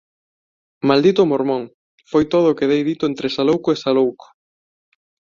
Maldito mormón! −foi todo o que dei dito, entre salouco e salouco−.